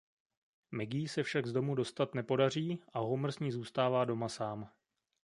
Maggie se však z domu dostat nepodaří a Homer s ní zůstává doma sám.